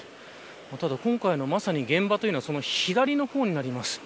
ただ、今回の現場というのは左の方になります。